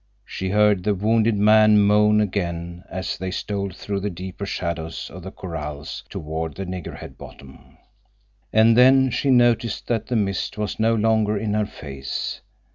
She heard the wounded man moan again as they stole through the deeper shadows of the corrals toward the nigger head bottom. And then she noticed that the mist was no longer in her face.